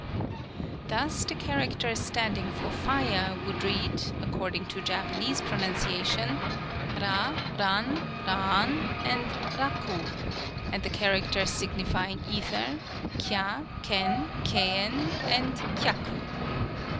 Thus the characters standing for Fire would read, according to Japanese pronunciation, Ra, Ran, Raän, and Raku; and the characters signifying Ether, Kya, Ken, Keën, and Kyaku.